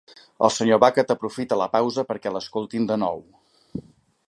El senyor Bucket aprofita la pausa perquè l'escoltin de nou.